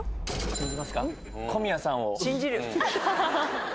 信じますか。